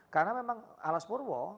karena memang alaspurwo